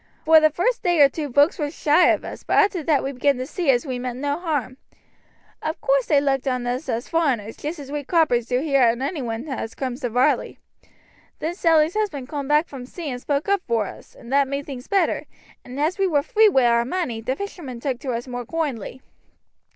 "Vor the vurst day or two vokes war shy of us, but arter that they began to see as we meant no harm. Of course they looked on us as foreigners, just as we croppers do here on anyone as cooms to Varley. Then Sally's husband coom back from sea and spoke up vor us, and that made things better, and as we war free wi' our money the fishermen took to us more koindly.